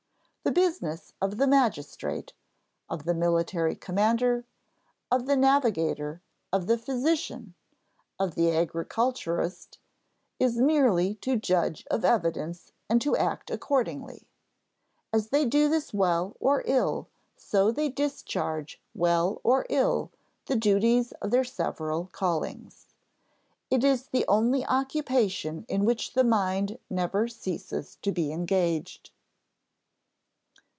The business of the magistrate, of the military commander, of the navigator, of the physician, of the agriculturist, is merely to judge of evidence and to act accordingly.... As they do this well or ill, so they discharge well or ill the duties of their several callings. _It is the only occupation in which the mind never ceases to be engaged.